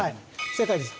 正解です。